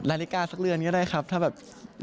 นาฬิกาสักเรือนก็ได้ครับถ้าแบบ